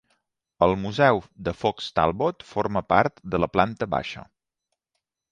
El museu de Fox Talbot forma part de la planta baixa.